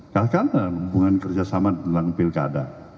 kalkan dan hubungan kerjasama tentang pilkada